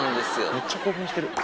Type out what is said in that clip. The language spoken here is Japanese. めっちゃ興奮してる。